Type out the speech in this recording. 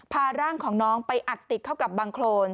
พาร่างของน้องไปอัดติดเข้ากับบังโครน